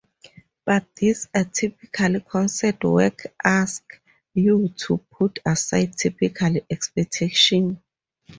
But this atypical concert work asks you to put aside typical expectations.